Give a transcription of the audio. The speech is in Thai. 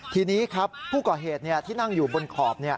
ทีนี้ครับผู้ก่อเหตุที่นั่งอยู่บนขอบ